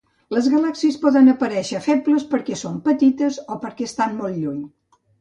Les galàxies poden aparèixer febles perquè són petites o perquè estan molt lluny.